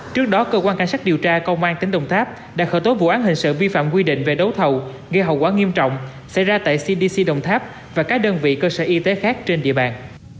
trước đó cơ quan cảnh sát điều tra công an tỉnh đồng tháp đã khởi tố vụ án hình sự vi phạm quy định về đấu thầu gây hậu quả nghiêm trọng xảy ra tại cdc đồng tháp và các đơn vị cơ sở y tế khác trên địa bàn